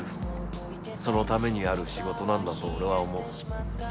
そのためにある仕事なんだと俺は思う。